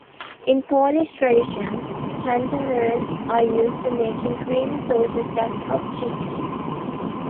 In Polish tradition chanterelles are used for making creamy sauces that top chicken.